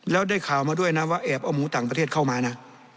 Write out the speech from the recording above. แล้วได้ข่าวมาด้วยนะว่าแอบเอาหมูต่างประเทศเข้ามานะ